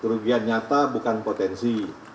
kerugian nyata bukan potensi